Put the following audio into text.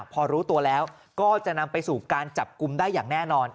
พอรู้ตัวแล้วก็จะนำไปสู่การจับกลุ่มได้อย่างแน่นอน